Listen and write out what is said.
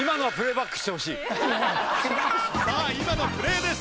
さあ今のプレーです。